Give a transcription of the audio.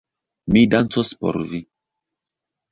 Mi dancos por vi.